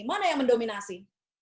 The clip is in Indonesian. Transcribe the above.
mana yang mendominasi